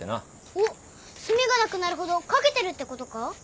おっ墨がなくなるほど書けてるってことか？